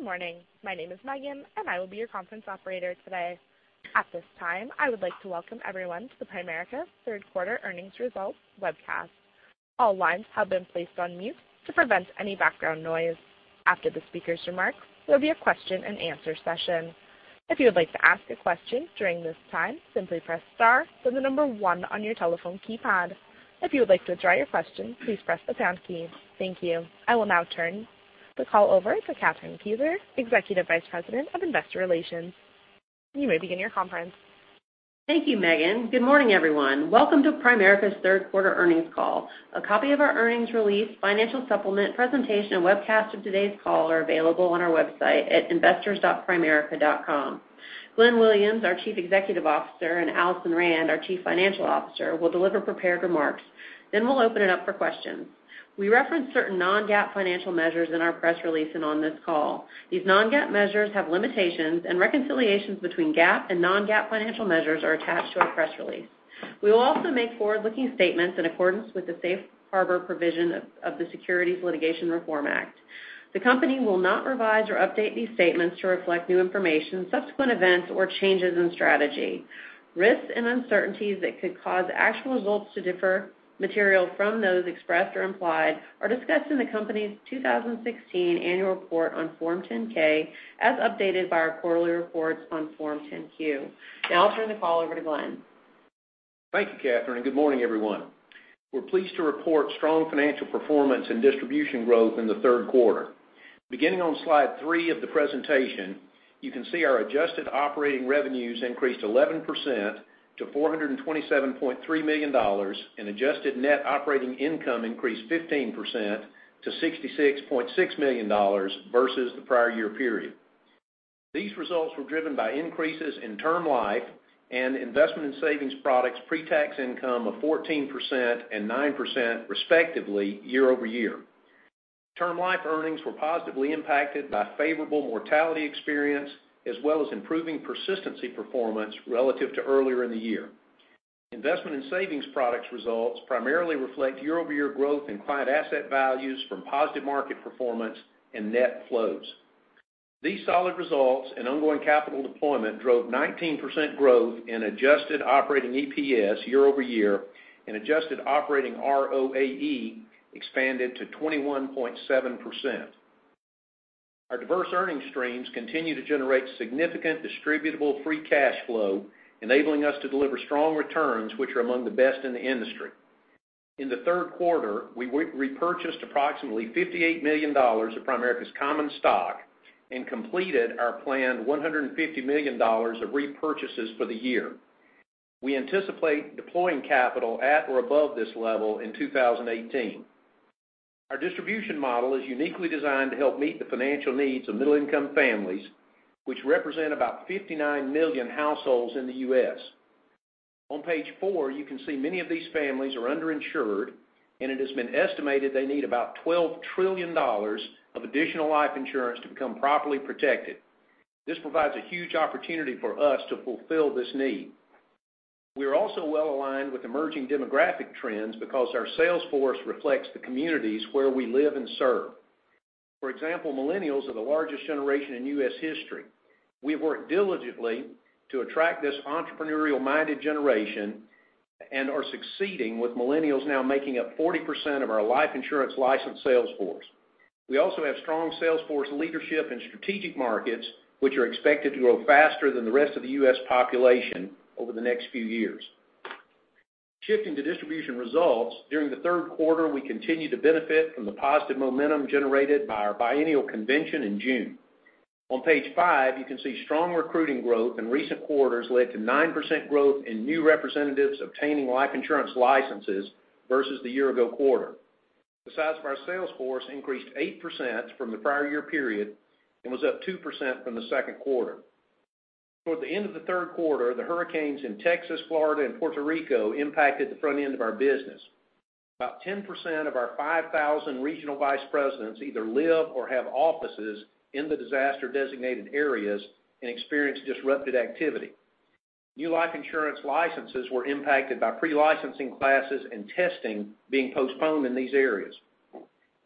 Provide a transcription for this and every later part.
Good morning. My name is Megan, and I will be your conference operator today. At this time, I would like to welcome everyone to the Primerica third quarter earnings results webcast. All lines have been placed on mute to prevent any background noise. After the speaker's remarks, there will be a question and answer session. If you would like to ask a question during this time, simply press star, then 1 on your telephone keypad. If you would like to withdraw your question, please press the pound key. Thank you. I will now turn the call over to Kathryn Kieser, Executive Vice President of Investor Relations. You may begin your conference. Thank you, Megan. Good morning, everyone. Welcome to Primerica's third quarter earnings call. A copy of our earnings release, Financial Supplement presentation, and webcast of today's call are available on our website at investors.primerica.com. Glenn Williams, our Chief Executive Officer, and Alison Rand, our Chief Financial Officer, will deliver prepared remarks. We'll open it up for questions. We reference certain non-GAAP financial measures in our press release and on this call. These non-GAAP measures have limitations, and reconciliations between GAAP and non-GAAP financial measures are attached to our press release. We will also make forward-looking statements in accordance with the Safe Harbor provision of the Private Securities Litigation Reform Act. The company will not revise or update these statements to reflect new information, subsequent events, or changes in strategy. Risks and uncertainties that could cause actual results to differ materially from those expressed or implied are discussed in the company's 2016 annual report on Form 10-K, as updated by our quarterly reports on Form 10-Q. I'll turn the call over to Glenn. Thank you, Kathryn. Good morning, everyone. We're pleased to report strong financial performance and distribution growth in the third quarter. Beginning on slide three of the presentation, you can see our adjusted operating revenues increased 11% to $427.3 million. Adjusted net operating income increased 15% to $66.6 million versus the prior year period. These results were driven by increases in term life and Investment and Savings Products pre-tax income of 14% and 9%, respectively, year-over-year. Term life earnings were positively impacted by favorable mortality experience, as well as improving persistency performance relative to earlier in the year. Investment and Savings Products results primarily reflect year-over-year growth in client asset values from positive market performance and net flows. These solid results and ongoing capital deployment drove 19% growth in adjusted operating EPS year-over-year, and adjusted operating ROAE expanded to 21.7%. Our diverse earnings streams continue to generate significant distributable free cash flow, enabling us to deliver strong returns, which are among the best in the industry. In the third quarter, we repurchased approximately $58 million of Primerica's common stock and completed our planned $150 million of repurchases for the year. We anticipate deploying capital at or above this level in 2018. Our distribution model is uniquely designed to help meet the financial needs of middle-income families, which represent about 59 million households in the U.S. On page four, you can see many of these families are underinsured, and it has been estimated they need about $12 trillion of additional life insurance to become properly protected. This provides a huge opportunity for us to fulfill this need. We are also well-aligned with emerging demographic trends because our sales force reflects the communities where we live and serve. For example, millennials are the largest generation in U.S. history. We have worked diligently to attract this entrepreneurial-minded generation and are succeeding, with millennials now making up 40% of our life insurance-licensed sales force. We also have strong sales force leadership in strategic markets, which are expected to grow faster than the rest of the U.S. population over the next few years. Shifting to distribution results, during the third quarter, we continued to benefit from the positive momentum generated by our biennial convention in June. On page five, you can see strong recruiting growth in recent quarters led to 9% growth in new representatives obtaining life insurance licenses versus the year-ago quarter. The size of our sales force increased 8% from the prior year period and was up 2% from the second quarter. Toward the end of the third quarter, the hurricanes in Texas, Florida, and Puerto Rico impacted the front end of our business. About 10% of our 5,000 Regional Vice Presidents either live or have offices in the disaster-designated areas and experienced disrupted activity. New life insurance licenses were impacted by pre-licensing classes and testing being postponed in these areas.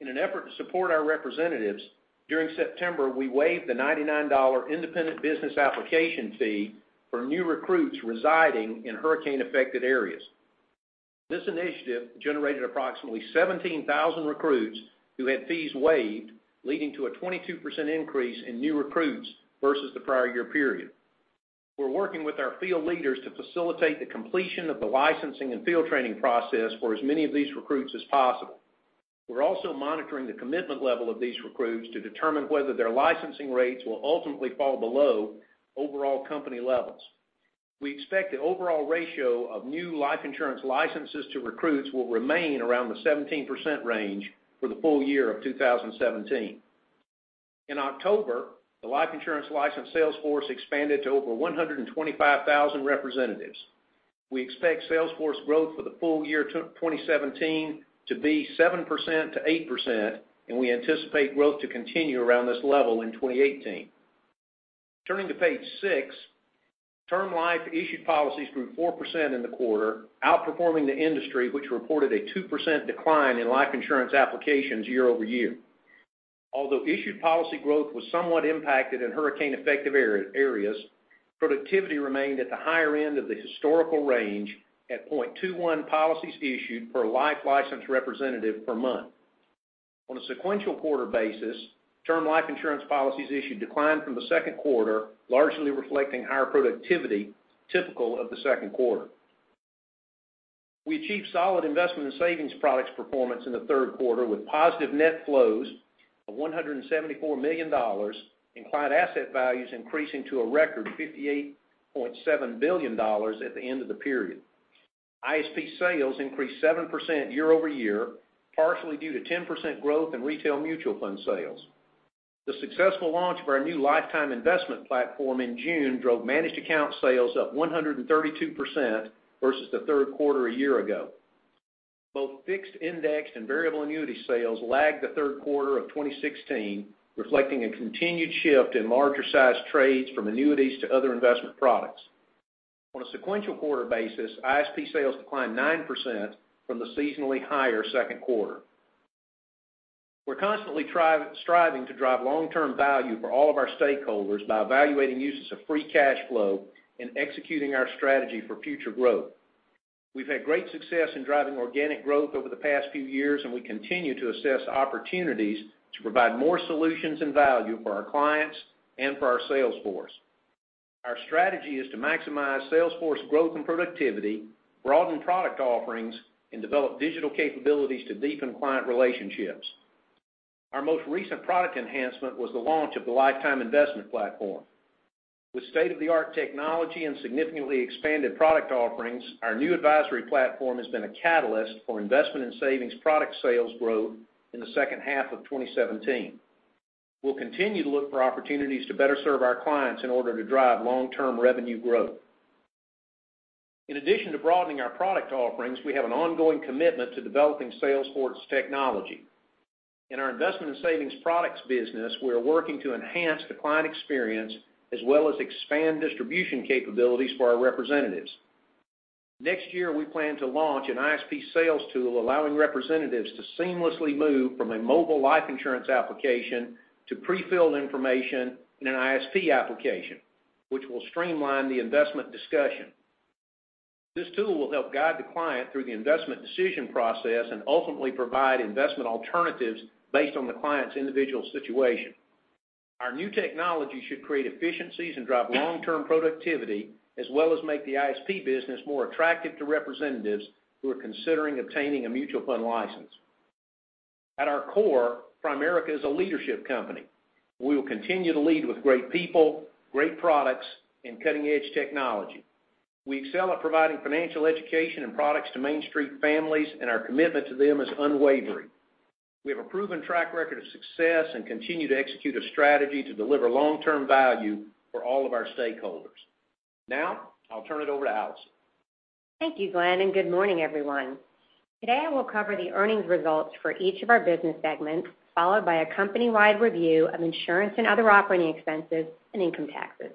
In an effort to support our representatives, during September, we waived the $99 independent business application fee for new recruits residing in hurricane-affected areas. This initiative generated approximately 17,000 recruits who had fees waived, leading to a 22% increase in new recruits versus the prior year period. We are working with our field leaders to facilitate the completion of the licensing and field training process for as many of these recruits as possible. We are also monitoring the commitment level of these recruits to determine whether their licensing rates will ultimately fall below overall company levels. We expect the overall ratio of new life insurance licenses to recruits will remain around the 17% range for the full year of 2017. In October, the life insurance license sales force expanded to over 125,000 representatives. We expect sales force growth for the full year 2017 to be 7%-8%, and we anticipate growth to continue around this level in 2018. Turning to page six, term life issued policies grew 4% in the quarter, outperforming the industry, which reported a 2% decline in life insurance applications year-over-year. Although issued policy growth was somewhat impacted in hurricane-affected areas, productivity remained at the higher end of the historical range at 0.21 policies issued per life license representative per month. On a sequential quarter basis, term life insurance policies issued declined from the second quarter, largely reflecting higher productivity typical of the second quarter. We achieved solid Investment and Savings Products performance in the third quarter, with positive net flows of $174 million, and client asset values increasing to a record $58.7 billion at the end of the period. ISP sales increased 7% year-over-year, partially due to 10% growth in retail mutual fund sales. The successful launch of our new Lifetime Investment Platform in June drove managed account sales up 132% versus the third quarter a year ago. Both fixed index and variable annuity sales lagged the third quarter of 2016, reflecting a continued shift in larger-sized trades from annuities to other investment products. On a sequential quarter basis, ISP sales declined 9% from the seasonally higher second quarter. We're constantly striving to drive long-term value for all of our stakeholders by evaluating uses of free cash flow and executing our strategy for future growth. We've had great success in driving organic growth over the past few years. We continue to assess opportunities to provide more solutions and value for our clients and for our sales force. Our strategy is to maximize sales force growth and productivity, broaden product offerings, and develop digital capabilities to deepen client relationships. Our most recent product enhancement was the launch of the Lifetime Investment Platform. With state-of-the-art technology and significantly expanded product offerings, our new advisory platform has been a catalyst for investment and savings product sales growth in the second half of 2017. We'll continue to look for opportunities to better serve our clients in order to drive long-term revenue growth. In addition to broadening our product offerings, we have an ongoing commitment to developing sales force technology. In our investment and savings products business, we are working to enhance the client experience, as well as expand distribution capabilities for our representatives. Next year, we plan to launch an ISP sales tool allowing representatives to seamlessly move from a mobile life insurance application to pre-filled information in an ISP application, which will streamline the investment discussion. This tool will help guide the client through the investment decision process and ultimately provide investment alternatives based on the client's individual situation. Our new technology should create efficiencies and drive long-term productivity, as well as make the ISP business more attractive to representatives who are considering obtaining a mutual fund license. At our core, Primerica is a leadership company. We will continue to lead with great people, great products, and cutting-edge technology. We excel at providing financial education and products to Main Street families. Our commitment to them is unwavering. We have a proven track record of success and continue to execute a strategy to deliver long-term value for all of our stakeholders. Now, I'll turn it over to Alison. Thank you, Glenn, and good morning, everyone. Today, I will cover the earnings results for each of our business segments, followed by a company-wide review of insurance and other operating expenses and income taxes.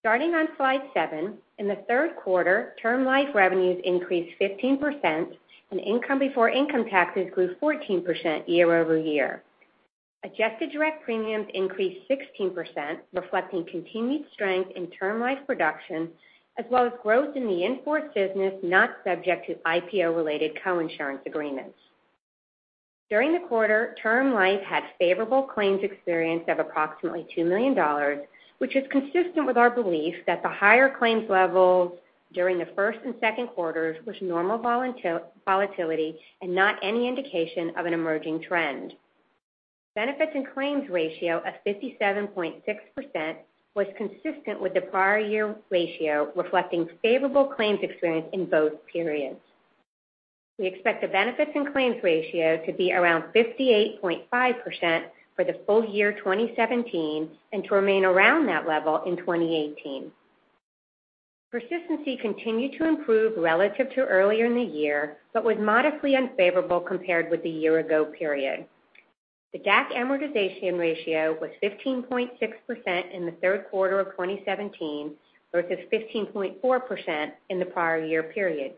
Starting on slide seven, in the third quarter, term life revenues increased 15%, and income before income taxes grew 14% year-over-year. Adjusted direct premiums increased 16%, reflecting continued strength in term life production, as well as growth in the in-force business not subject to IPO-related coinsurance agreements. During the quarter, term life had favorable claims experience of approximately $2 million, which is consistent with our belief that the higher claims levels during the first and second quarters was normal volatility and not any indication of an emerging trend. Benefits and claims ratio of 57.6% was consistent with the prior year ratio, reflecting favorable claims experience in both periods. We expect the benefits and claims ratio to be around 58.5% for the full year 2017 and to remain around that level in 2018. Persistency continued to improve relative to earlier in the year but was modestly unfavorable compared with the year-ago period. The DAC amortization ratio was 15.6% in the third quarter of 2017, versus 15.4% in the prior year period.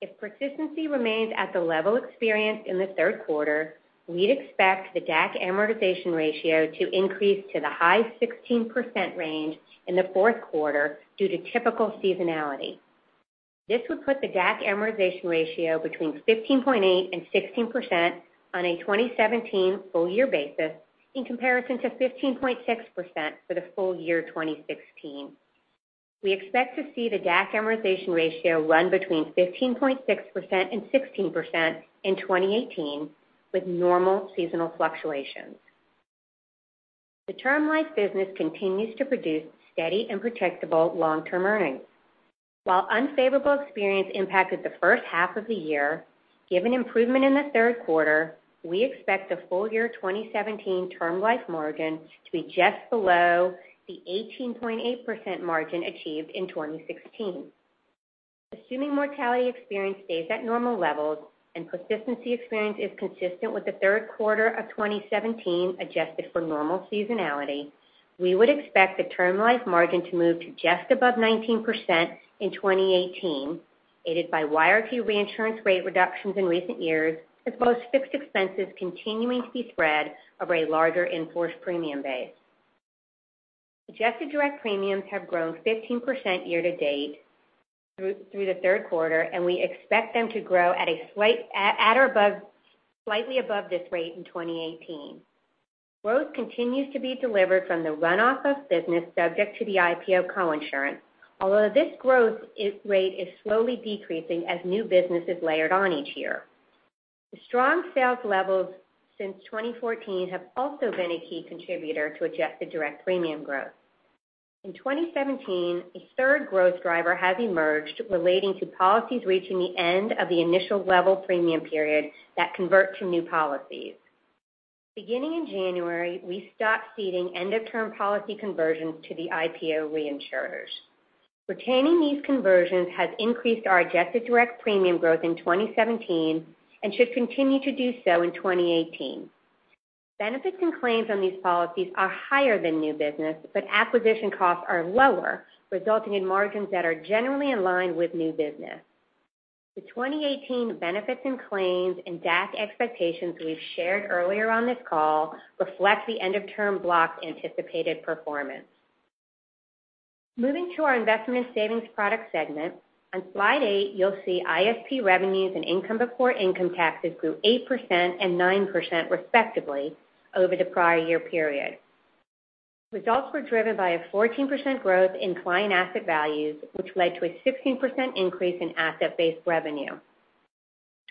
If persistency remains at the level experienced in the third quarter, we would expect the DAC amortization ratio to increase to the high 16% range in the fourth quarter due to typical seasonality. This would put the DAC amortization ratio between 15.8% and 16% on a 2017 full-year basis, in comparison to 15.6% for the full year 2016. We expect to see the DAC amortization ratio run between 15.6% and 16% in 2018, with normal seasonal fluctuations. The term life business continues to produce steady and protectable long-term earnings. While unfavorable experience impacted the first half of the year, given improvement in the third quarter, we expect the full year 2017 term life margin to be just below the 18.8% margin achieved in 2016. Assuming mortality experience stays at normal levels and persistency experience is consistent with the third quarter of 2017, adjusted for normal seasonality, we would expect the term life margin to move to just above 19% in 2018, aided by YRT reinsurance rate reductions in recent years, as well as fixed expenses continuing to be spread over a larger in-force premium base. Adjusted direct premiums have grown 15% year-to-date through the third quarter, and we expect them to grow at or slightly above this rate in 2018. Growth continues to be delivered from the runoff of business subject to the IPO coinsurance, although this growth rate is slowly decreasing as new business is layered on each year. The strong sales levels since 2014 have also been a key contributor to adjusted direct premium growth. In 2017, a third growth driver has emerged relating to policies reaching the end of the initial level premium period that convert to new policies. Beginning in January, we stopped ceding end-of-term policy conversions to the IPO reinsurers. Retaining these conversions has increased our adjusted direct premium growth in 2017 and should continue to do so in 2018. Benefits and claims on these policies are higher than new business, but acquisition costs are lower, resulting in margins that are generally in line with new business. The 2018 benefits and claims and DAC expectations we've shared earlier on this call reflect the end-of-term block anticipated performance. Moving to our Investment and Savings Products segment, on slide 8, you'll see ISP revenues and income before income taxes grew 8% and 9% respectively over the prior year period. Results were driven by a 14% growth in client asset values, which led to a 16% increase in asset-based revenue.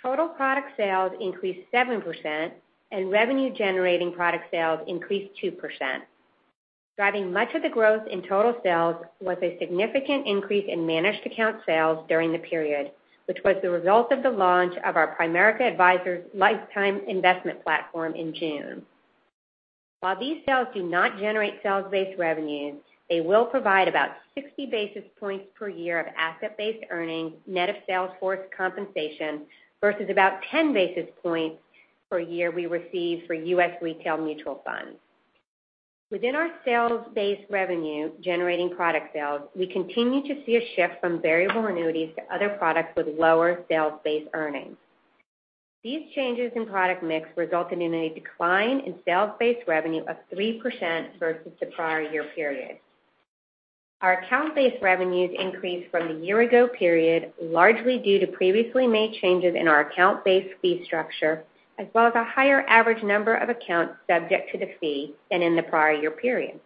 Total product sales increased 7%, and revenue-generating product sales increased 2%. Driving much of the growth in total sales was a significant increase in managed account sales during the period, which was the result of the launch of our Primerica Advisors Lifetime Investment Platform in June. While these sales do not generate sales-based revenues, they will provide about 60 basis points per year of asset-based earnings, net of sales force compensation, versus about 10 basis points per year we receive for U.S. retail mutual funds. Within our sales-based revenue generating product sales, we continue to see a shift from variable annuities to other products with lower sales-based earnings. These changes in product mix resulted in a decline in sales-based revenue of 3% versus the prior year period. Our account-based revenues increased from the year ago period, largely due to previously made changes in our account-based fee structure, as well as a higher average number of accounts subject to the fee than in the prior year period.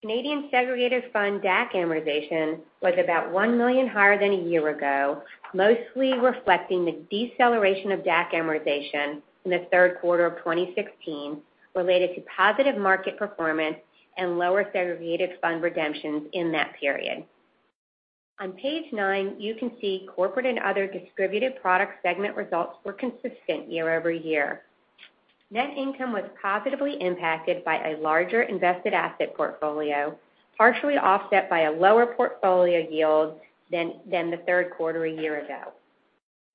Canadian segregated fund DAC amortization was about $1 million higher than a year ago, mostly reflecting the deceleration of DAC amortization in the third quarter of 2016 related to positive market performance and lower segregated fund redemptions in that period. On page nine, you can see Corporate and Other Distributed Products segment results were consistent year-over-year. Net income was positively impacted by a larger invested asset portfolio, partially offset by a lower portfolio yield than the third quarter a year ago.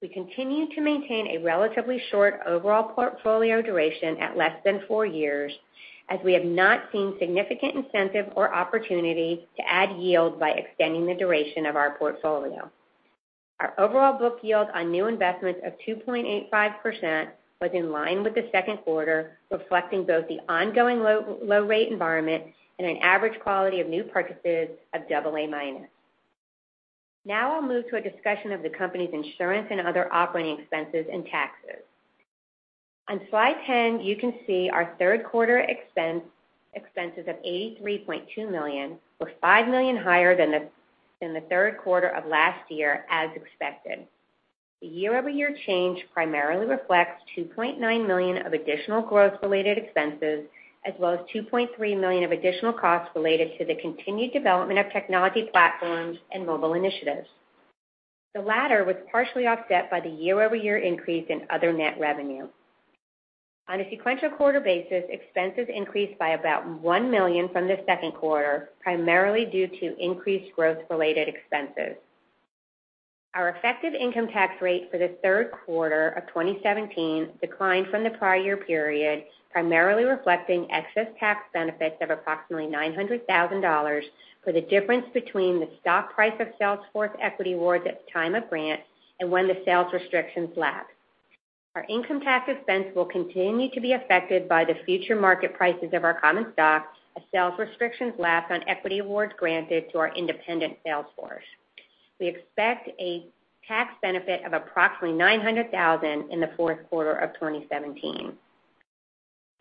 We continue to maintain a relatively short overall portfolio duration at less than four years, as we have not seen significant incentive or opportunity to add yield by extending the duration of our portfolio. Our overall book yield on new investments of 2.85% was in line with the second quarter, reflecting both the ongoing low rate environment and an average quality of new purchases of double A minus. Now I'll move to a discussion of the company's insurance and other operating expenses and taxes. On slide 10, you can see our third quarter expenses of $83.2 million were $5 million higher than the third quarter of last year, as expected. The year-over-year change primarily reflects $2.9 million of additional growth-related expenses, as well as $2.3 million of additional costs related to the continued development of technology platforms and mobile initiatives. The latter was partially offset by the year-over-year increase in other net revenue. On a sequential quarter basis, expenses increased by about $1 million from the second quarter, primarily due to increased growth-related expenses. Our effective income tax rate for the third quarter of 2017 declined from the prior year period, primarily reflecting excess tax benefits of approximately $900,000 for the difference between the stock price of sales force equity awards at the time of grant and when the sales restrictions lapsed. Our income tax expense will continue to be affected by the future market prices of our common stock as sales restrictions lapse on equity awards granted to our independent sales force. We expect a tax benefit of approximately $900,000 in the fourth quarter of 2017.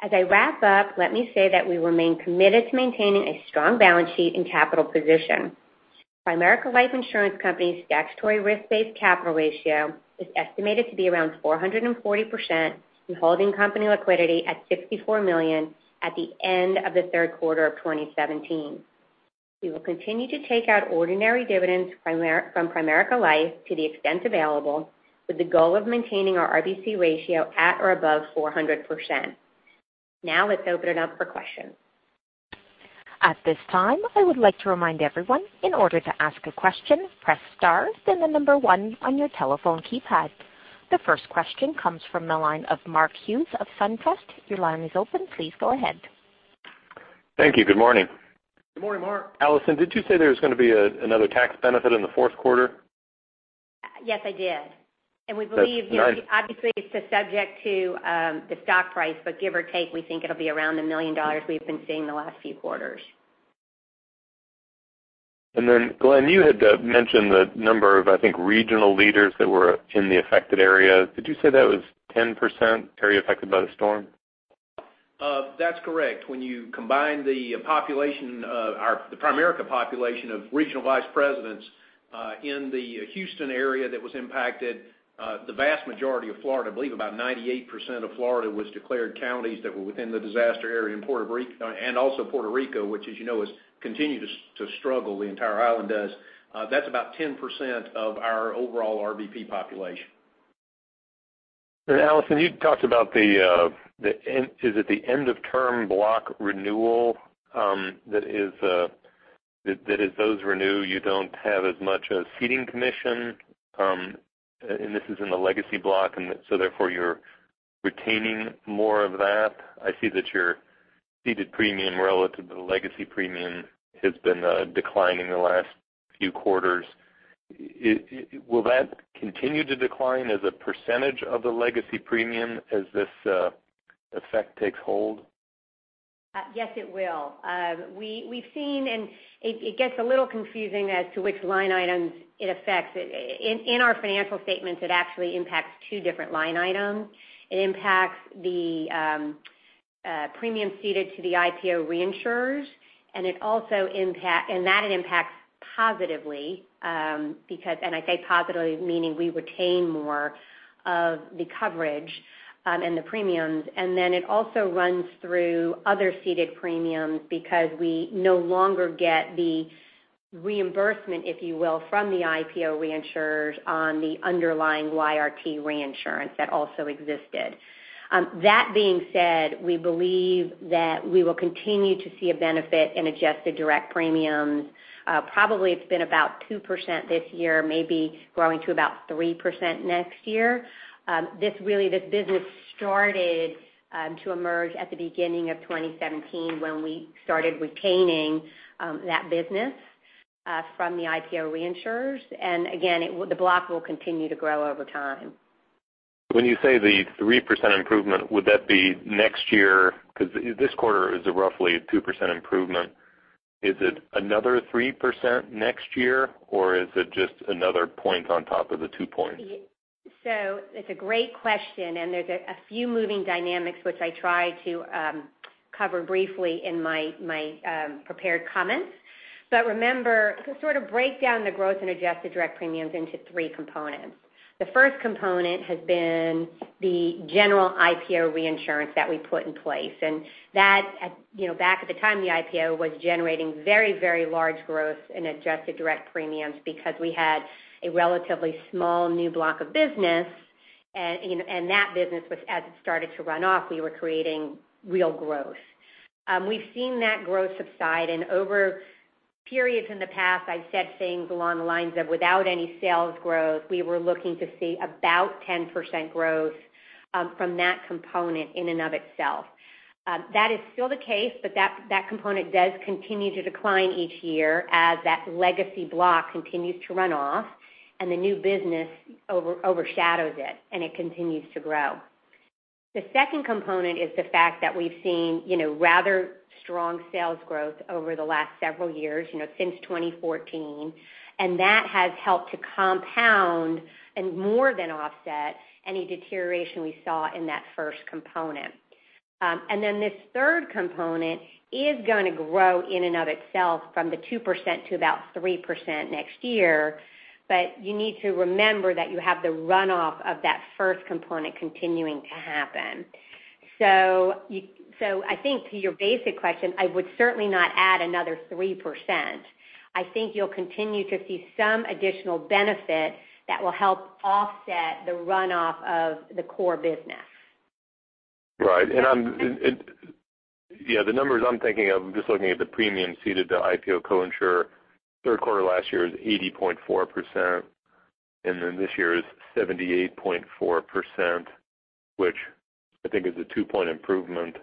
As I wrap up, let me say that we remain committed to maintaining a strong balance sheet and capital position. Primerica Life Insurance Company's statutory risk-based capital ratio is estimated to be around 440% in holding company liquidity at $64 million at the end of the third quarter of 2017. We will continue to take out ordinary dividends from Primerica Life to the extent available, with the goal of maintaining our RBC ratio at or above 400%. Let's open it up for questions. At this time, I would like to remind everyone, in order to ask a question, press star, then the number one on your telephone keypad. The first question comes from the line of Mark Hughes of SunTrust. Your line is open. Please go ahead. Thank you. Good morning. Good morning, Mark. Alison, did you say there's going to be another tax benefit in the fourth quarter? Yes, I did. We believe, obviously it's subject to the stock price, but give or take, we think it'll be around the $1 million we've been seeing the last few quarters. Glenn, you had mentioned the number of, I think, regional leaders that were in the affected area. Did you say that was 10% area affected by the storm? That's correct. When you combine the Primerica population of regional vice presidents in the Houston area that was impacted, the vast majority of Florida, I believe about 98% of Florida was declared counties that were within the disaster area, also Puerto Rico, which as you know, continues to struggle, the entire island does. That's about 10% of our overall RVP population. Alison, you talked about the end of term block renewal, that as those renew, you don't have as much a ceding commission, this is in the legacy block, therefore you're retaining more of that. I see that your ceded premium relative to the legacy premium has been declining in the last few quarters. Will that continue to decline as a % of the legacy premium as this effect takes hold? Yes, it will. We've seen, it gets a little confusing as to which line items it affects. In our financial statements, it actually impacts two different line items. It impacts the premium ceded to the IPO reinsurers, that it impacts positively, I say positively meaning we retain more of the coverage and the premiums, it also runs through other ceded premiums because we no longer get the reimbursement, if you will, from the IPO reinsurers on the underlying YRT reinsurance that also existed. That being said, we believe that we will continue to see a benefit in adjusted direct premiums. Probably it's been about 2% this year, maybe growing to about 3% next year. This business started to emerge at the beginning of 2017 when we started retaining that business from the IPO reinsurers. Again, the block will continue to grow over time. When you say the 3% improvement, would that be next year? Because this quarter is a roughly 2% improvement. Is it another 3% next year, or is it just another point on top of the two points? It's a great question, there's a few moving dynamics which I tried to cover briefly in my prepared comments. Remember, to sort of break down the growth in adjusted direct premiums into three components. The first component has been the general IPO reinsurance that we put in place. Back at the time, the IPO was generating very large growth in adjusted direct premiums because we had a relatively small new block of business, and that business as it started to run off, we were creating real growth. We've seen that growth subside and over periods in the past, I've said things along the lines of without any sales growth, we were looking to see about 10% growth from that component in and of itself. That is still the case, that component does continue to decline each year as that legacy block continues to run off and the new business overshadows it continues to grow. The second component is the fact that we've seen rather strong sales growth over the last several years, since 2014, that has helped to compound and more than offset any deterioration we saw in that first component. This third component is going to grow in and of itself from the 2% to about 3% next year. You need to remember that you have the runoff of that first component continuing to happen. I think to your basic question, I would certainly not add another 3%. I think you'll continue to see some additional benefit that will help offset the runoff of the core business. Right. The numbers I'm thinking of, I'm just looking at the premium ceded to IPO co-insurer, third quarter last year is 80.4%, this year is 78.4%, which I think is a two-point improvement.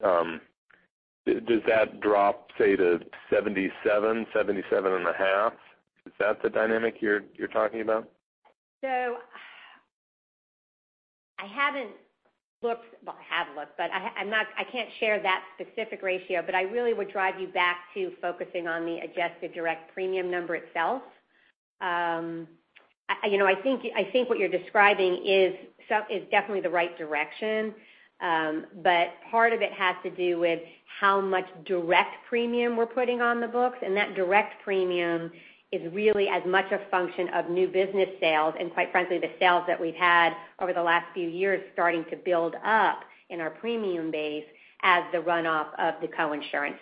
Does that drop, say, to 77 and a half? Is that the dynamic you're talking about? I haven't looked, well, I have looked, I can't share that specific ratio, I really would drive you back to focusing on the adjusted direct premium number itself. I think what you're describing is definitely the right direction. Part of it has to do with how much direct premium we're putting on the books, that direct premium is really as much a function of new business sales and quite frankly, the sales that we've had over the last few years starting to build up in our premium base as the runoff of the co-insurance.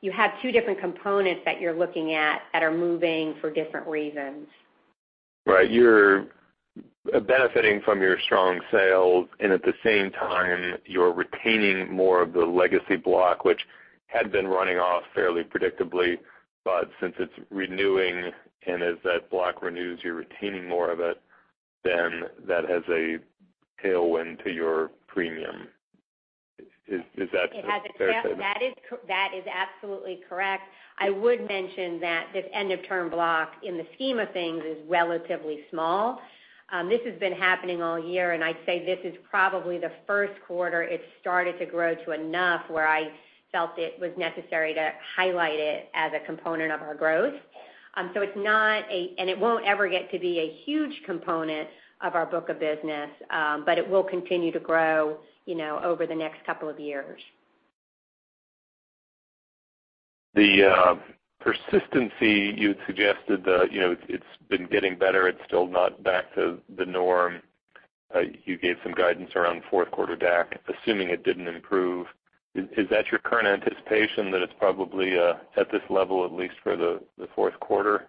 You have two different components that you're looking at that are moving for different reasons. Right. At the same time, you're retaining more of the legacy block, which had been running off fairly predictably. Since it's renewing and as that block renews, you're retaining more of it, then that has a tailwind to your premium. Is that a fair statement? That is absolutely correct. I would mention that this end-of-term block in the scheme of things, is relatively small. This has been happening all year, I'd say this is probably the first quarter it started to grow to enough where I felt it was necessary to highlight it as a component of our growth. It won't ever get to be a huge component of our book of business, but it will continue to grow over the next couple of years. The persistency you had suggested that it's been getting better, it's still not back to the norm. You gave some guidance around fourth quarter DAC, assuming it didn't improve. Is that your current anticipation that it's probably at this level, at least for the fourth quarter?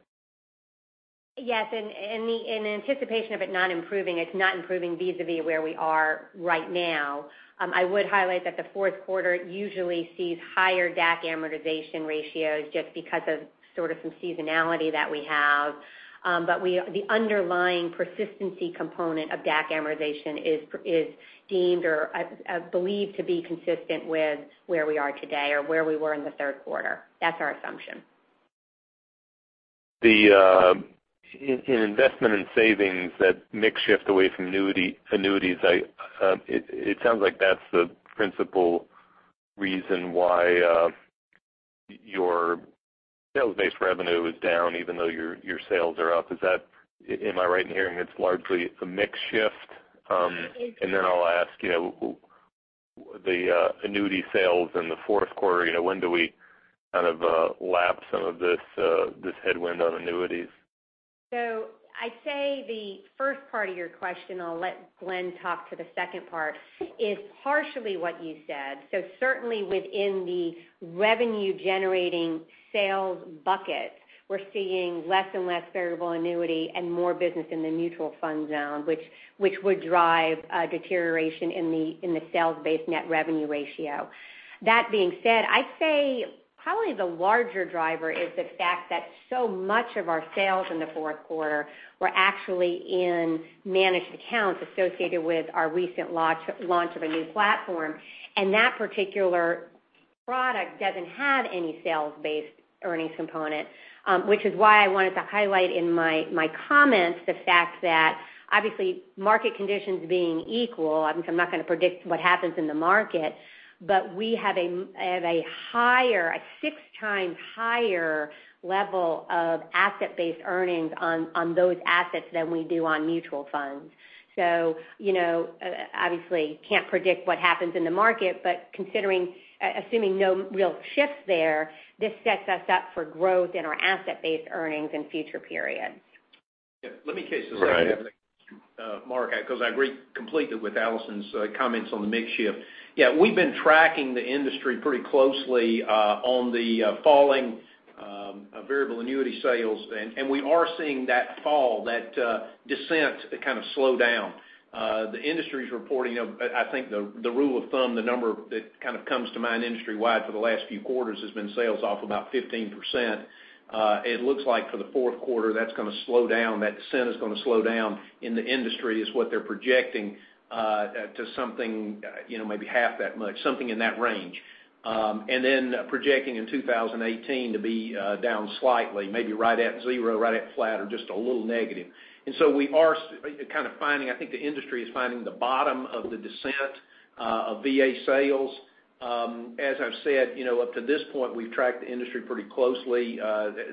Yes. In anticipation of it not improving, it's not improving vis-a-vis where we are right now. I would highlight that the fourth quarter usually sees higher DAC amortization ratios just because of sort of some seasonality that we have. The underlying persistency component of DAC amortization is deemed or is believed to be consistent with where we are today or where we were in the third quarter. That's our assumption. In investment and savings, that mix shift away from annuities, it sounds like that's the principal reason why your sales-based revenue is down, even though your sales are up. Am I right in hearing it's largely a mix shift? Then I'll ask, the annuity sales in the fourth quarter, when do we kind of lap some of this headwind on annuities? I'd say the first part of your question, I'll let Glenn talk to the second part, is partially what you said. Certainly within the revenue-generating sales bucket, we're seeing less and less variable annuity and more business in the mutual fund zone, which would drive a deterioration in the sales-based net revenue ratio. That being said, I'd say probably the larger driver is the fact that so much of our sales in the fourth quarter were actually in managed accounts associated with our recent launch of a new platform, and that particular product doesn't have any sales-based earnings component. Which is why I wanted to highlight in my comments the fact that obviously, market conditions being equal, obviously I'm not going to predict what happens in the market, but we have a six times higher level of asset-based earnings on those assets than we do on mutual funds. Obviously, can't predict what happens in the market, but assuming no real shift there, this sets us up for growth in our asset-based earnings in future periods. Right. Let me case this, Mark, because I agree completely with Alison's comments on the mix shift. We've been tracking the industry pretty closely on the falling variable annuity sales, and we are seeing that fall, that descent kind of slow down. The industry's reporting, I think the rule of thumb, the number that kind of comes to mind industry-wide for the last few quarters has been sales off about 15%. It looks like for the fourth quarter, that's going to slow down. That descent is going to slow down in the industry, is what they're projecting, to something maybe half that much, something in that range. Then projecting in 2018 to be down slightly, maybe right at zero, right at flat, or just a little negative. We are kind of finding, I think the industry is finding the bottom of the descent of VA sales. As I've said, up to this point, we've tracked the industry pretty closely.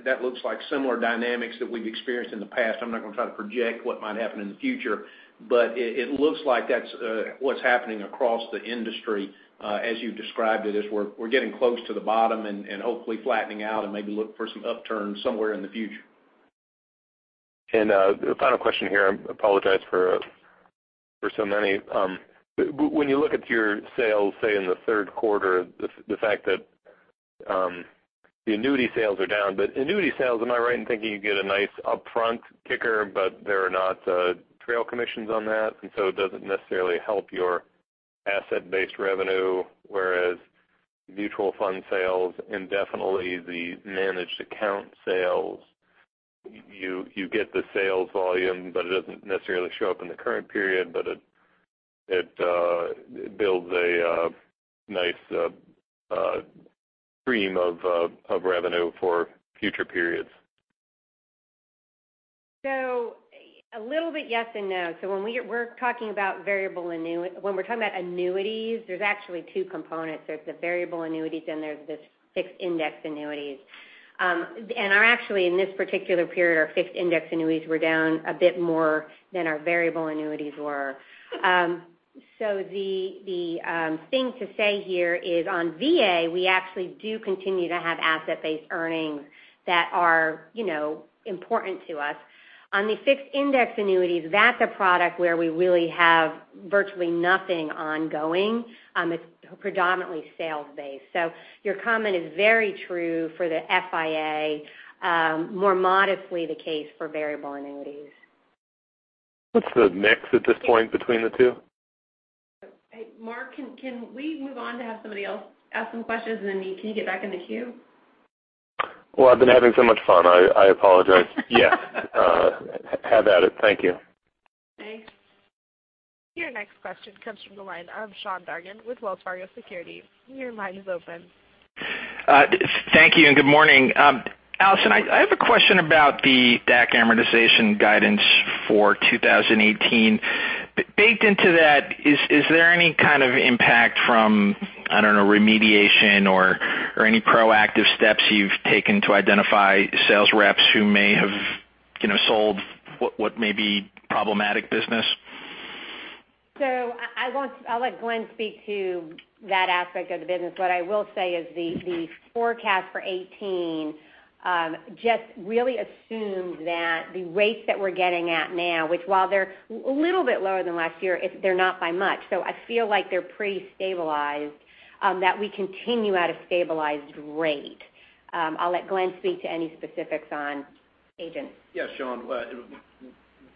That looks like similar dynamics that we've experienced in the past. I'm not going to try to project what might happen in the future, but it looks like that's what's happening across the industry as you've described it, is we're getting close to the bottom and hopefully flattening out and maybe look for some upturn somewhere in the future. The final question here, I apologize for so many. When you look at your sales, say, in the third quarter, the fact that the annuity sales are down. Annuity sales, am I right in thinking you get a nice upfront kicker, but there are not trail commissions on that, it doesn't necessarily help your asset-based revenue? Whereas mutual fund sales and definitely the managed account sales, you get the sales volume, but it doesn't necessarily show up in the current period, but it builds a nice stream of revenue for future periods. A little bit yes and no. When we're talking about annuities, there's actually two components. There's the variable annuities and there's the fixed index annuities. Actually, in this particular period, our fixed index annuities were down a bit more than our variable annuities were. The thing to say here is on VA, we actually do continue to have asset-based earnings that are important to us. On the fixed index annuities, that's a product where we really have virtually nothing ongoing. It's predominantly sales-based. Your comment is very true for the FIA. More modestly the case for variable annuities. What's the mix at this point between the two? Hey, Mark, can we move on to have somebody else ask some questions, and then can you get back in the queue? Well, I've been having so much fun, I apologize. Yes. Have at it. Thank you. Thanks. Your next question comes from the line of Sean Dargan with Wells Fargo Securities. Your line is open. Thank you, and good morning. Alison, I have a question about the DAC amortization guidance for 2018. Baked into that, is there any kind of impact from, I don't know, remediation or any proactive steps you've taken to identify sales reps who may have sold what may be problematic business? I'll let Glenn speak to that aspect of the business. What I will say is the forecast for 2018 just really assumes that the rates that we're getting at now, which while they're a little bit lower than last year, they're not by much. I feel like they're pretty stabilized, that we continue at a stabilized rate. I'll let Glenn speak to any specifics on agents. Yes, Sean.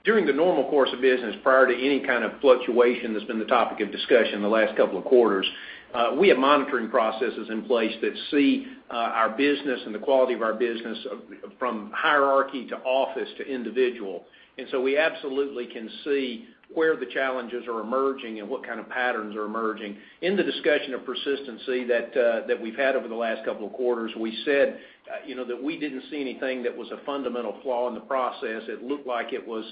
During the normal course of business, prior to any kind of fluctuation that's been the topic of discussion the last couple of quarters, we have monitoring processes in place that see our business and the quality of our business from hierarchy to office to individual. We absolutely can see where the challenges are emerging and what kind of patterns are emerging. In the discussion of persistency that we've had over the last couple of quarters, we said that we didn't see anything that was a fundamental flaw in the process. It looked like it was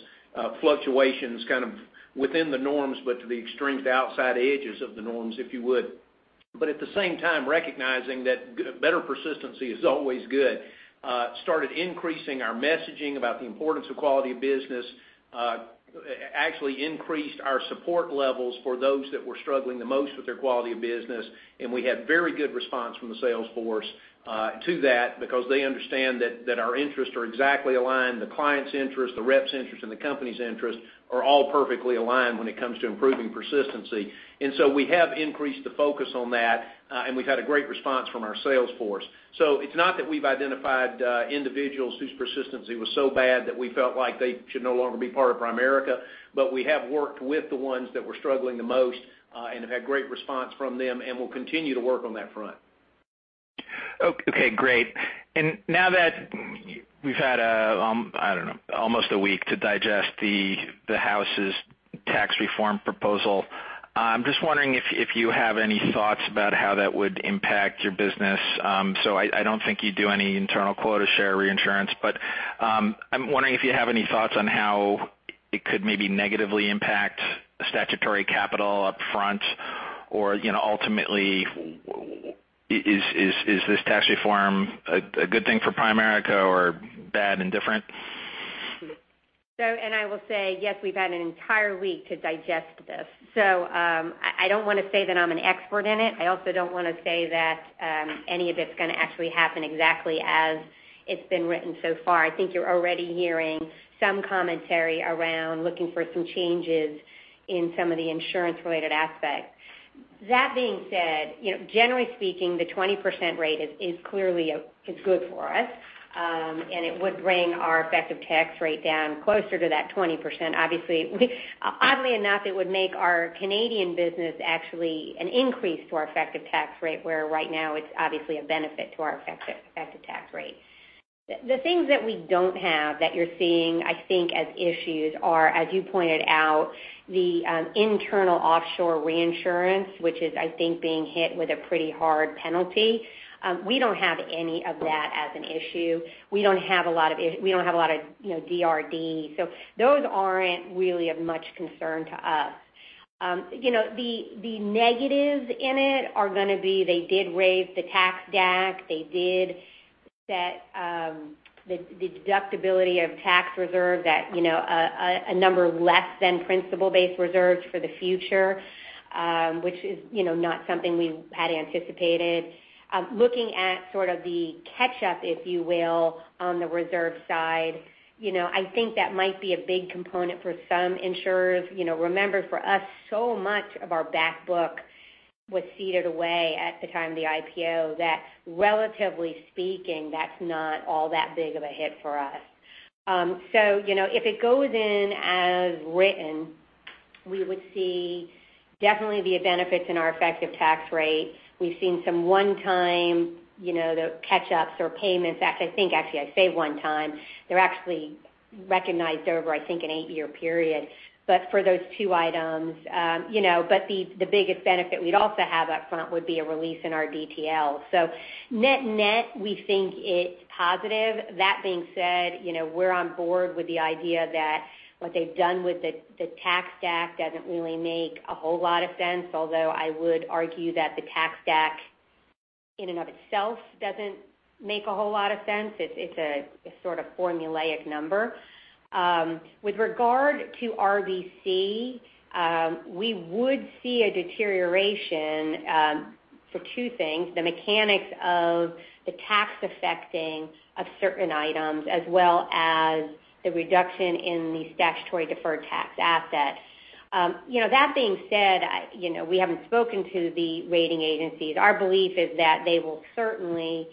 fluctuations kind of within the norms, but to the extremes outside edges of the norms, if you would. At the same time, recognizing that better persistency is always good, started increasing our messaging about the importance of quality of business, actually increased our support levels for those that were struggling the most with their quality of business. We had very good response from the sales force to that because they understand that our interests are exactly aligned, the client's interest, the rep's interest, and the company's interest are all perfectly aligned when it comes to improving persistency. We have increased the focus on that, and we've had a great response from our sales force. It's not that we've identified individuals whose persistency was so bad that we felt like they should no longer be part of Primerica, but we have worked with the ones that were struggling the most, and have had great response from them, and will continue to work on that front. Okay, great. Now that we've had, I don't know, almost a week to digest the House's tax reform proposal, I'm just wondering if you have any thoughts about how that would impact your business. I don't think you do any internal quota share reinsurance, but I'm wondering if you have any thoughts on how it could maybe negatively impact statutory capital up front or, ultimately, is this tax reform a good thing for Primerica or bad, indifferent? I will say, yes, we've had an entire week to digest this. I don't want to say that I'm an expert in it. I also don't want to say that any of it's going to actually happen exactly as it's been written so far. I think you're already hearing some commentary around looking for some changes in some of the insurance related aspects. That being said, generally speaking, the 20% rate is clearly good for us. It would bring our effective tax rate down closer to that 20%. Obviously, oddly enough, it would make our Canadian business actually an increase to our effective tax rate, where right now it's obviously a benefit to our effective tax rate. The things that we don't have that you're seeing, I think as issues are, as you pointed out, the internal offshore reinsurance, which is, I think being hit with a pretty hard penalty. We don't have any of that as an issue. We don't have a lot of DRD, so those aren't really of much concern to us. The negatives in it are going to be, they did raise the tax DAC. They did set the deductibility of tax reserve at a number less than principle-based reserves for the future, which is not something we had anticipated. Looking at sort of the catch-up, if you will, on the reserve side, I think that might be a big component for some insurers. Remember, for us, so much of our back book was ceded away at the time of the IPO that relatively speaking, that's not all that big of a hit for us. If it goes in as written, we would see definitely the benefits in our effective tax rate. We've seen some one-time, the catch-ups or payments. In fact, I think actually I say one-time, they're actually recognized over, I think, an eight-year period. But for those two items, but the biggest benefit we'd also have up front would be a release in our DTL. Net-net, we think it's positive. That being said, we're on board with the idea that what they've done with the tax DAC doesn't really make a whole lot of sense, although I would argue that the tax DAC in and of itself doesn't make a whole lot of sense. It's a sort of formulaic number. With regard to RBC, we would see a deterioration for two things, the mechanics of the tax affecting of certain items as well as the reduction in the statutory deferred tax asset. That being said, we haven't spoken to the rating agencies. Our belief is that they will certainly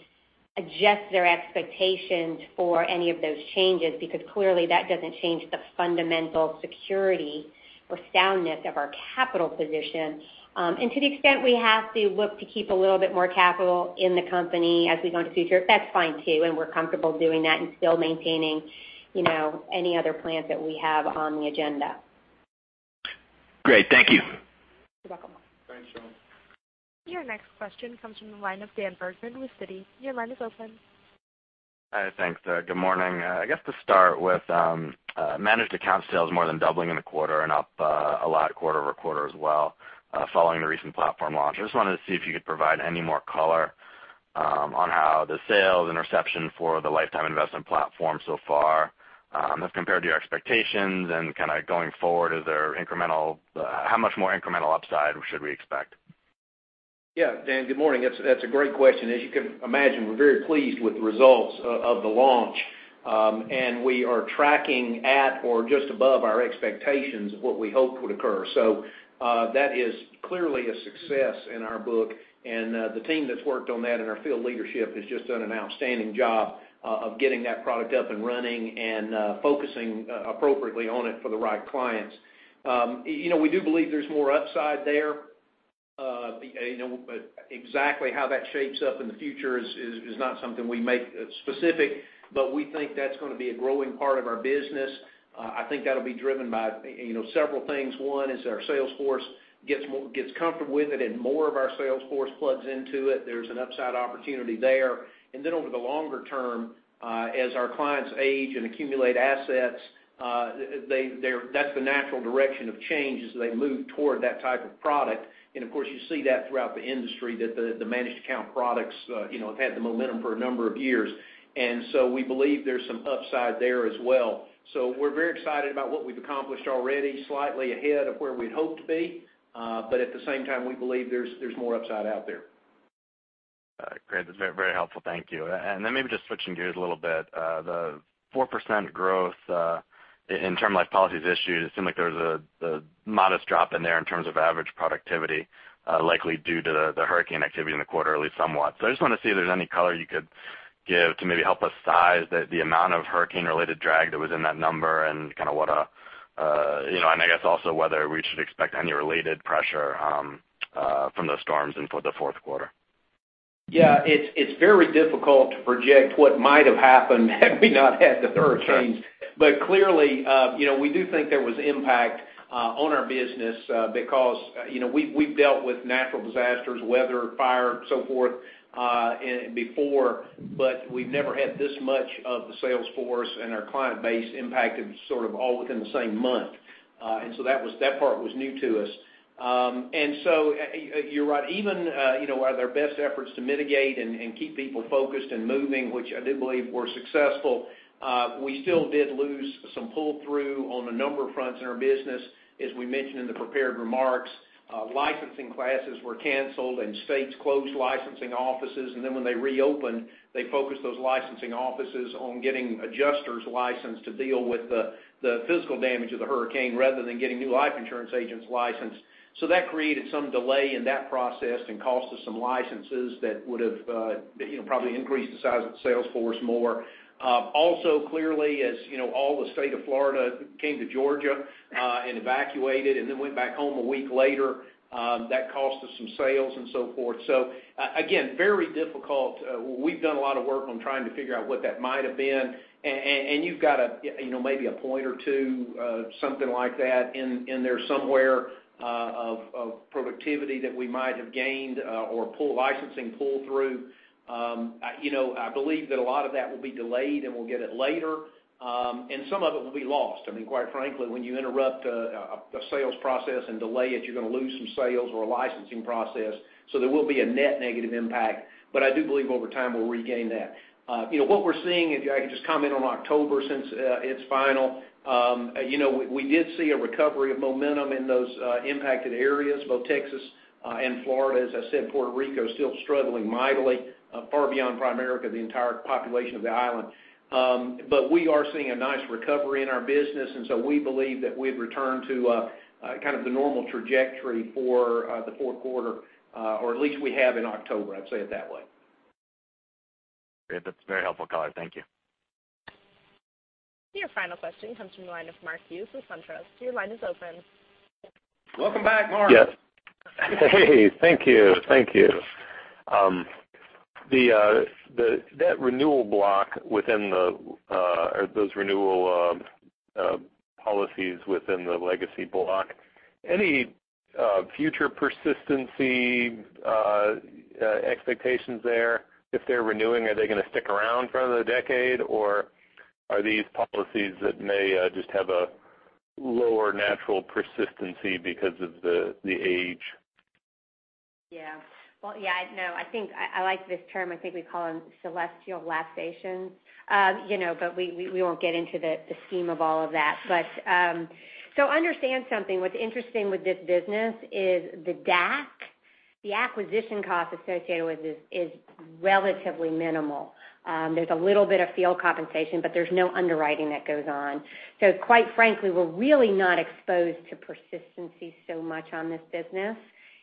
adjust their expectations for any of those changes, because clearly that doesn't change the fundamental security or soundness of our capital position. To the extent we have to look to keep a little bit more capital in the company as we go into future, that's fine too, and we're comfortable doing that and still maintaining any other plans that we have on the agenda. Great. Thank you. You're welcome. Thanks, Sean. Your next question comes from the line of Daniel Bergman with Citi. Your line is open. Hi. Thanks. Good morning. I guess to start with, managed account sales more than doubling in the quarter and up a lot quarter-over-quarter as well, following the recent platform launch. I just wanted to see if you could provide any more color on how the sales and reception for the Lifetime Investment Platform so far have compared to your expectations and going forward, how much more incremental upside should we expect? Yeah. Dan, good morning. That's a great question. As you can imagine, we're very pleased with the results of the launch. We are tracking at or just above our expectations of what we hoped would occur. That is clearly a success in our book, and the team that's worked on that in our field leadership has just done an outstanding job of getting that product up and running and focusing appropriately on it for the right clients. We do believe there's more upside there. Exactly how that shapes up in the future is not something we make specific, but we think that's going to be a growing part of our business. I think that'll be driven by several things. One is our sales force gets comfortable with it and more of our sales force plugs into it. There's an upside opportunity there. Over the longer term, as our clients age and accumulate assets, that's the natural direction of change as they move toward that type of product. Of course, you see that throughout the industry, that the managed account products have had the momentum for a number of years. We believe there's some upside there as well. We're very excited about what we've accomplished already, slightly ahead of where we'd hoped to be. At the same time, we believe there's more upside out there. Great. That's very helpful. Thank you. Maybe just switching gears a little bit, the 4% growth in term life policies issued, it seemed like there was a modest drop in there in terms of average productivity, likely due to the hurricane activity in the quarter, at least somewhat. I just want to see if there's any color you could give to maybe help us size the amount of hurricane-related drag that was in that number and I guess also whether we should expect any related pressure from those storms into the fourth quarter. Yeah. It's very difficult to project what might have happened had we not had the hurricanes. Clearly, we do think there was impact on our business, because we've dealt with natural disasters, weather, fire, so forth before, but we've never had this much of the sales force and our client base impacted all within the same month. That part was new to us. You're right, even with our best efforts to mitigate and keep people focused and moving, which I do believe were successful, we still did lose some pull-through on a number of fronts in our business. As we mentioned in the prepared remarks, licensing classes were canceled, states closed licensing offices, when they reopened, they focused those licensing offices on getting adjusters licensed to deal with the physical damage of the hurricane rather than getting new life insurance agents licensed. That created some delay in that process and cost us some licenses that would've probably increased the size of the sales force more. Also, clearly, as all the state of Florida came to Georgia and evacuated went back home a week later, that cost us some sales and so forth. Again, very difficult. We've done a lot of work on trying to figure out what that might have been. You've got maybe a point or two, something like that, in there somewhere of productivity that we might have gained or licensing pull through. I believe that a lot of that will be delayed, and we'll get it later. Some of it will be lost. I mean, quite frankly, when you interrupt a sales process and delay it, you're going to lose some sales or a licensing process. There will be a net negative impact. I do believe over time, we'll regain that. What we're seeing, if I could just comment on October since it's final, we did see a recovery of momentum in those impacted areas, both Texas and Florida. As I said, Puerto Rico is still struggling mightily, far beyond Primerica, the entire population of the island. We are seeing a nice recovery in our business, we believe that we've returned to the normal trajectory for the fourth quarter, or at least we have in October, I'd say it that way. Great. That's very helpful color. Thank you. Your final question comes from the line of Mark Hughes with SunTrust. Your line is open. Welcome back, Mark. Yes. Hey. Thank you. That renewal block within those renewal policies within the legacy block, any future persistency expectations there? If they're renewing, are they going to stick around for another decade, or are these policies that may just have a lower natural persistency because of the age? Yeah. I like this term, I think we call them celestial lap stations. We won't get into the scheme of all of that. Understand something, what's interesting with this business is the DAC, the acquisition cost associated with this is relatively minimal. There's a little bit of field compensation, but there's no underwriting that goes on. Quite frankly, we're really not exposed to persistency so much on this business.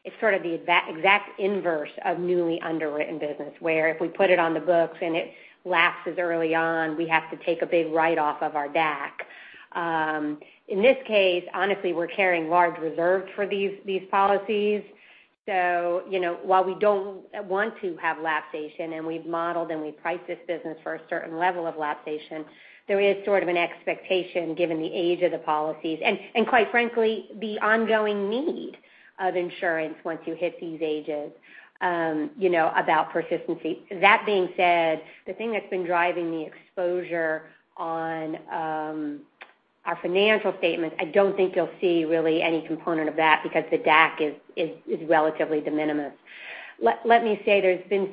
It's sort of the exact inverse of newly underwritten business, where if we put it on the books and it lapses early on, we have to take a big write-off of our DAC. In this case, honestly, we're carrying large reserves for these policies. While we don't want to have lapsation, and we've modeled and we price this business for a certain level of lapsation, there is sort of an expectation, given the age of the policies and, quite frankly, the ongoing need of insurance once you hit these ages, about persistency. That being said, the thing that's been driving the exposure on our financial statements, I don't think you'll see really any component of that because the DAC is relatively de minimis. Let me say there's been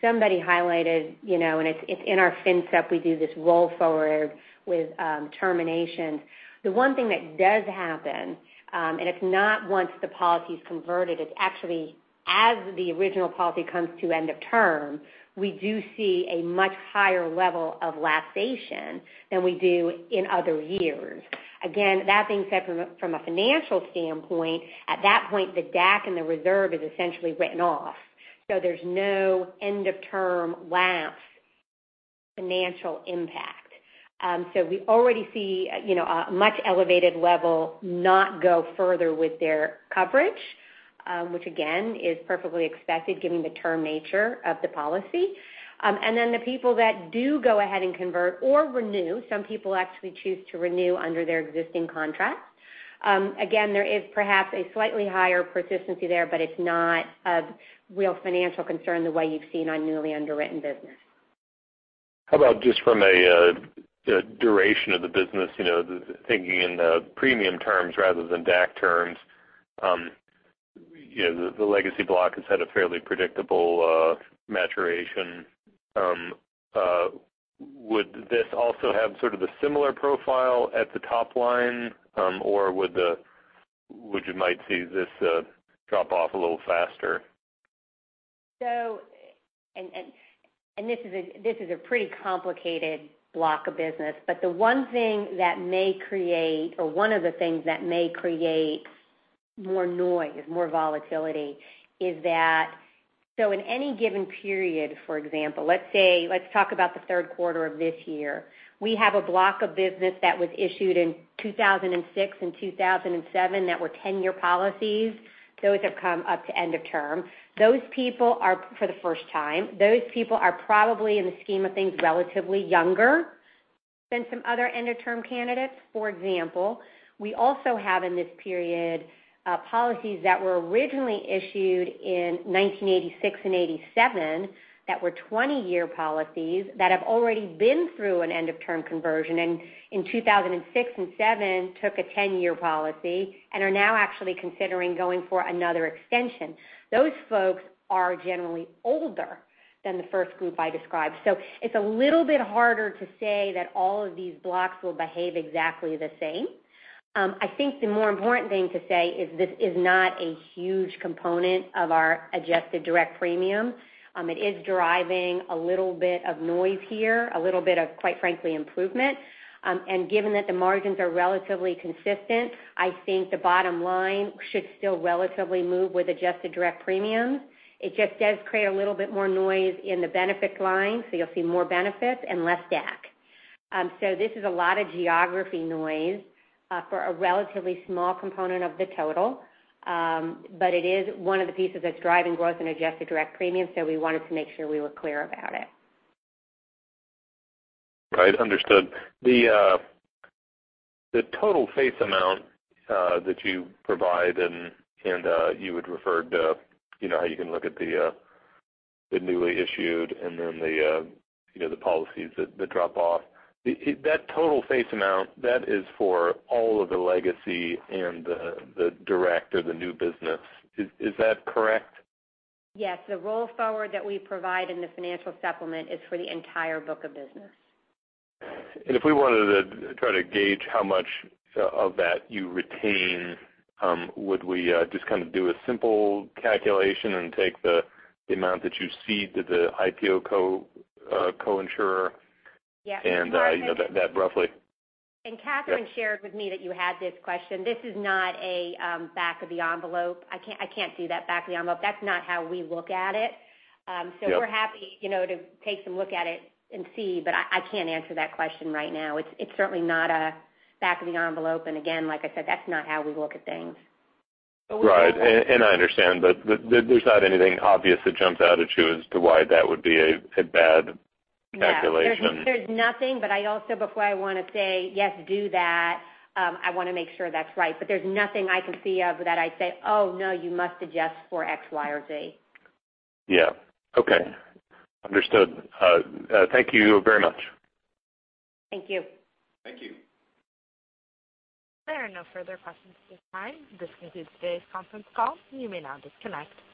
somebody highlighted, and it's in our Financial Supplement, we do this roll forward with terminations. The one thing that does happen, and it's not once the policy's converted, it's actually as the original policy comes to end of term, we do see a much higher level of lapsation than we do in other years. Again, that being said, from a financial standpoint, at that point, the DAC and the reserve is essentially written off, there's no end of term lapse financial impact. We already see a much elevated level not go further with their coverage, which again, is perfectly expected given the term nature of the policy. The people that do go ahead and convert or renew, some people actually choose to renew under their existing contract. Again, there is perhaps a slightly higher persistency there, but it's not a real financial concern the way you've seen on newly underwritten business. How about just from a duration of the business, thinking in the premium terms rather than DAC terms. The legacy block has had a fairly predictable maturation. Would this also have sort of a similar profile at the top line, or would you might see this drop off a little faster? This is a pretty complicated block of business, the one thing that may create, or one of the things that may create more noise, more volatility is that, in any given period, for example, let's talk about the third quarter of this year. We have a block of business that was issued in 2006 and 2007 that were 10-year policies. Those have come up to end of term. Those people are for the first time. Those people are probably, in the scheme of things, relatively younger than some other end of term candidates. For example, we also have in this period, policies that were originally issued in 1986 and 1987 that were 20-year policies that have already been through an end of term conversion, and in 2006 and 2007 took a 10-year policy and are now actually considering going for another extension. Those folks are generally older than the first group I described. It's a little bit harder to say that all of these blocks will behave exactly the same. I think the more important thing to say is this is not a huge component of our adjusted direct premium. It is driving a little bit of noise here, a little bit of, quite frankly, improvement. Given that the margins are relatively consistent, I think the bottom line should still relatively move with adjusted direct premiums. It just does create a little bit more noise in the benefit line, so you'll see more benefits and less DAC. This is a lot of geography noise for a relatively small component of the total. It is one of the pieces that's driving growth in adjusted direct premiums, so we wanted to make sure we were clear about it. Right. Understood. The total face amount that you provide and you had referred to how you can look at the newly issued and then the policies that drop off. That total face amount, that is for all of the legacy and the direct or the new business. Is that correct? Yes. The roll forward that we provide in the Financial Supplement is for the entire book of business. If we wanted to try to gauge how much of that you retain, would we just kind of do a simple calculation and take the amount that you cede to the IPO co-insurer? Yeah. That roughly. Kathryn shared with me that you had this question. This is not a back of the envelope. I can't do that back of the envelope. That's not how we look at it. Yeah. We're happy to take some look at it and see, but I can't answer that question right now. It's certainly not a back of the envelope, and again, like I said, that's not how we look at things. Right. I understand, there's not anything obvious that jumps out at you as to why that would be a bad calculation. There's nothing, I also before I want to say yes, do that, I want to make sure that's right. There's nothing I can see of that I'd say, "Oh, no, you must adjust for X, Y, or Z. Yeah. Okay. Understood. Thank you very much. Thank you. Thank you. There are no further questions at this time. This concludes today's conference call. You may now disconnect.